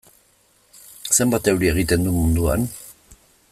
Zenbat euri egiten du munduan?